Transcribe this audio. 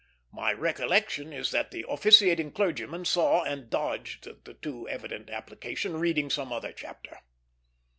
My recollection is that the officiating clergyman saw and dodged the too evident application, reading some other chapter.